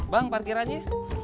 bang parkir aja